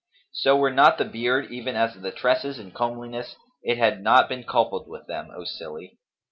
So, were not the beard even as the tresses in comeliness, it had not been coupled with them, O silly!